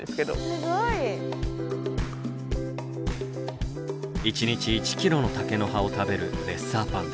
すごい。一日１キロの竹の葉を食べるレッサーパンダ。